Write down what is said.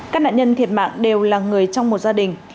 các nạn nhân thiệt mạng đều là người trong một gia đình